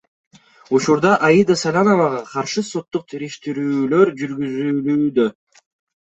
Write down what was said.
Учурда Аида Саляновага каршы соттук териштирүүлөр жүргүзүлүүдө.